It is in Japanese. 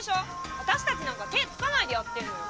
わたしたちなんか手ぇつかないでやってんのよ。